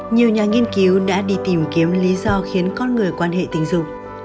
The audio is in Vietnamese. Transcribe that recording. nhiều nhà nghiên cứu đã đi tìm kiếm lý do khiến con người quan hệ tình dục